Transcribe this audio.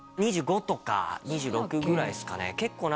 ２５とか２６ぐらいですかね